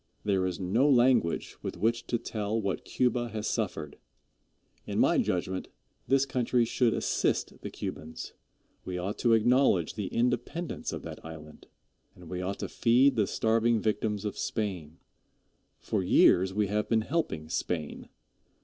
There is no language with which to tell what Cuba has suffered. In my judgment, this country should assist the Cubans. We ought to acknowledge the independence of that island, and we ought to feed the starving victims of Spain. For years we have been helping Spain.